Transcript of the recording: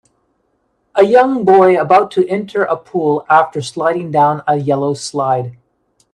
A young boy about to enter a pool after sliding down a yellow slide.